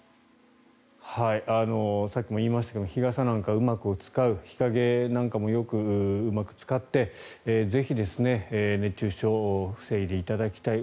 さっきも言いましたけど日傘をうまく使う日陰なんかもうまく使ってぜひ熱中症を防いでいただきたい。